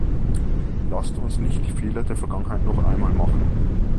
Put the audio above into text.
Lasst uns nicht die Fehler der Vergangenheit noch einmal machen!